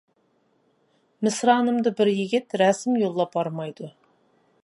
مىسرانىمدا بىر يىگىت، رەسىم يوللاپ ھارمايدۇ.